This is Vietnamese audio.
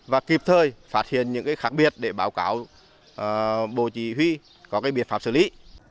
và kịp thời phát hiện những khác biệt để báo cáo bộ chỉ huy có biện pháp xử lý